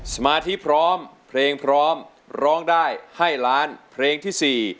สมาธิพร้อมเพลงพร้อมร้องได้ให้ล้านเพลงที่๔